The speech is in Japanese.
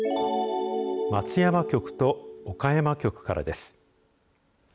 松山局と岡山局からです。